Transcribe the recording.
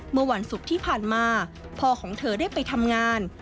เมื่อวันศุกร์ที่ผ่านมาพ่อของเธอได้ไปทำงาน